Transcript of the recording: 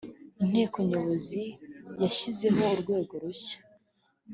inteko nyobozi yashyizeho urwego rushya